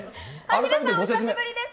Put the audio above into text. ヒデさん、お久しぶりです。